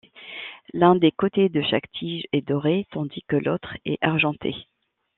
L'un des côtés de chaque tige est doré tandis que l'autre est argenté.